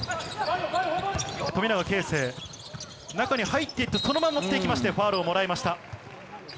富永啓生、中に入っていって、そのまま持っていきまして、ファウルをもらいました。